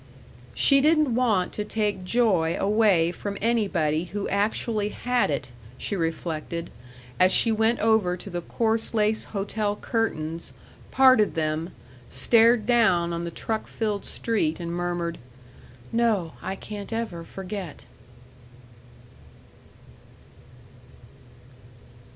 She didn't want to take joy away from anybody who actually had it, she reflected, as she went over to the coarse lace hotel curtains, parted them, stared down on the truck filled street, and murmured, "No, I can't ever forget."